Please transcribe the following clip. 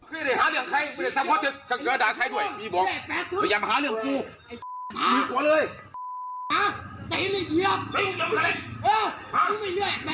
เห็นไหมมีแก้วไง